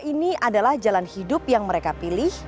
ini adalah jalan hidup yang mereka pilih